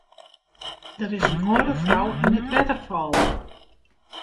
Der is in âlde frou yn it wetter fallen.